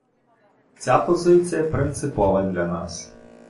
Ця позиція принципова для нас.